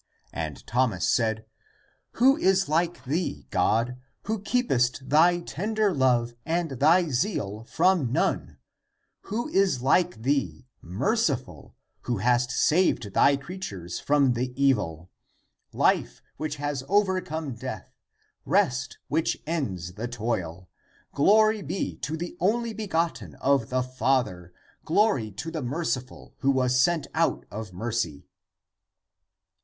And Thomas said, " Who is like thee, God, who keepest thy tender love and thy zeal from none ; who is like thee, merciful who hast saved thy creatures from the evil? Life, which has over come death ; rest, which ends the toil ! Glory be to the only begotten of the Father; glory to the Merci ful, who was sent out of mercy!"